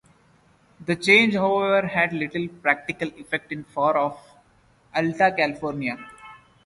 The change, however, had little practical effect in far-off Alta California.